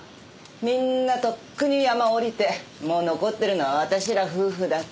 みんなとっくに山下りてもう残ってるのは私ら夫婦だけ。